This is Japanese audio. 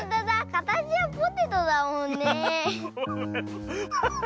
かたちはポテトだもんねえ。